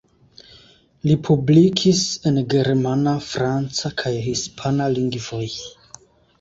Li publikis en germana, franca kaj hispana lingvoj.